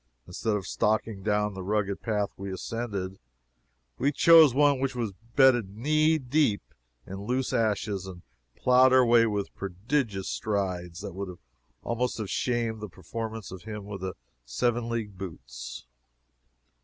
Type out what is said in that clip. Instead of stalking down the rugged path we ascended, we chose one which was bedded knee deep in loose ashes, and ploughed our way with prodigious strides that would almost have shamed the performance of him of the seven league boots.